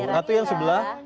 ratu yang sebelah